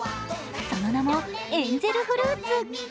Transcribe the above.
その名もエンゼルフルーツ。